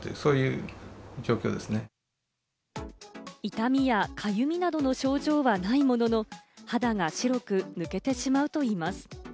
痛みや、かゆみなどの症状はないものの、肌が白く抜けてしまうといいます。